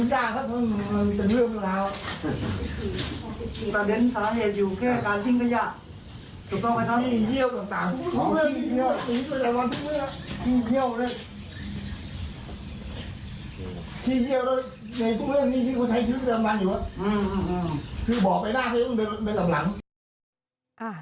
หรือว่า